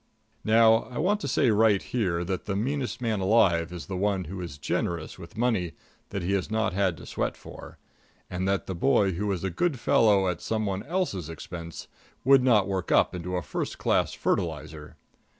Now I want to say right here that the meanest man alive is the one who is generous with money that he has not had to sweat for, and that the boy who is a good fellow at some one else's expense would not work up into first class fertilizer.